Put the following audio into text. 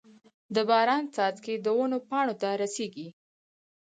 د باران څاڅکي د ونو پاڼو ته رسيږي.